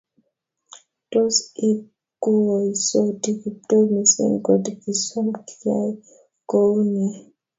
tos ikuisoti Kiptoo mising kot kisom koyai kou niee